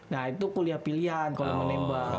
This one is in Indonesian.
nah itu kuliah pilihan kalo menembak